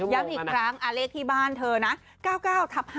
อีกครั้งเลขที่บ้านเธอนะ๙๙ทับ๕